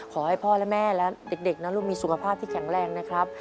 ขอให้พ่อและแม่และเด็กนั้นลูกมีสุขภาพที่แข็งแรงนะครับ